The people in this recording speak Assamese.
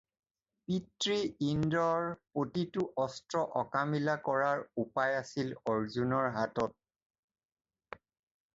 পিতৃ ইন্দ্ৰৰ প্ৰতিটো অস্ত্ৰ অকামিলা কৰাৰ উপায় আছিল অৰ্জুনৰ হাতত।